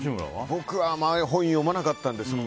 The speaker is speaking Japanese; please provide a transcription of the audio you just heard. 僕はあまり本読まなかったです。